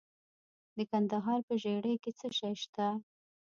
د کندهار په ژیړۍ کې څه شی شته؟